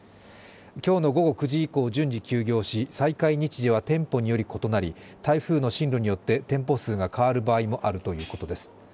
今日の午後９時以降、順次休業し再開日時は店舗により異なり、台風の進路によって店舗数が変わる場合もあるということです。